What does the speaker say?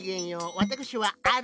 わたくしはアリ。